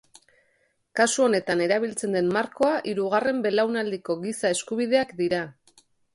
Kasu honetan erabiltzen den markoa hirugarren belaunaldiko giza eskubideak dira.